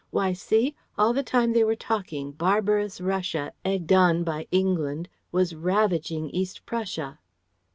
Why, see! All the time they were talking, barbarous Russia, egged on by England, was ravaging East Prussia!